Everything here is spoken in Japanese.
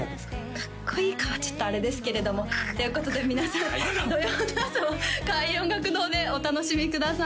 かっこいいかはちょっとあれですけれどもということで皆さん土曜の朝は開運音楽堂でお楽しみください